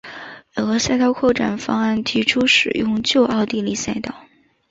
有个赛道扩展方案提出使用旧奥地利赛道。